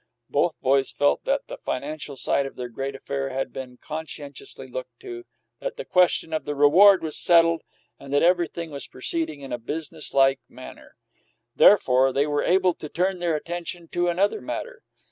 Both boys felt that the financial side of their great affair had been conscientiously looked to, that the question of the reward was settled, and that everything was proceeding in a businesslike manner. Therefore, they were able to turn their attention to another matter.